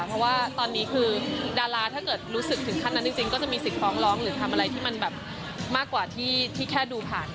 เพราะว่าตอนนี้คือดาราถ้าเกิดรู้สึกถึงขั้นนั้นจริงก็จะมีสิทธิฟ้องร้องหรือทำอะไรที่มันแบบมากกว่าที่แค่ดูผ่าน